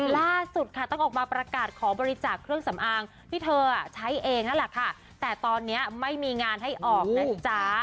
ล่าสุดค่ะต้องออกมาประกาศขอบริจาคเครื่องสำอางที่เธอใช้เองนั่นแหละค่ะแต่ตอนนี้ไม่มีงานให้ออกนะจ๊ะ